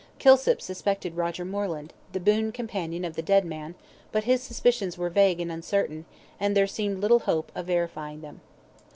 Kilsip suspected Roger Moreland, the boon companion of the dead man, but his suspicions were vague and uncertain, and there seemed little hope of verifying them.